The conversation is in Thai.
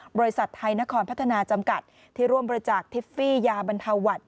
บริษัทไทยนครพัฒนาจำกัดที่ร่วมบริจาคทิฟฟี่ยาบรรเทาวัตร